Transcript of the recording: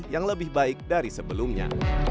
yang lebih baik dari sebelumnya